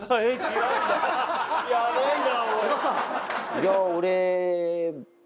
いや俺。